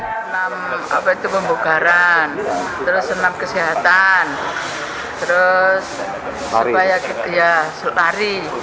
senam kebugaran senam kesehatan terus lari